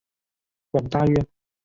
广大院。